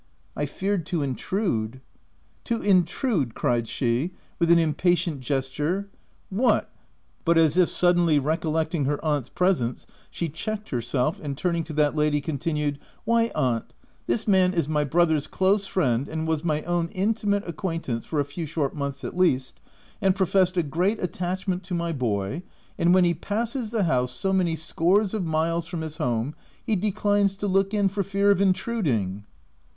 " I feared to intrude." "To intrude !" cried she with an impatient gesture. —" What "— but as if suddenly recol lecting her aunt's presence, she checked her 320 THE TENANT self and turning to that lady continued — "Why aunt, this man is my brothers close friend and was my own intimate acquaintance (for a few short months at least), and professed a great attachment to my boy — and when he passes the house, so many scores of miles from his home, he declines to look in for fear of in truding